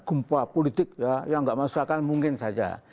empat politik ya yang nggak masuk akan mungkin saja